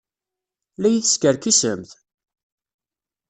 La yi-teskerkisemt?